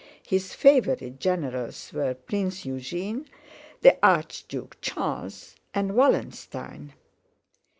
His favourite generals were Prince Eugene, the Archduke Charles and Wallenstein.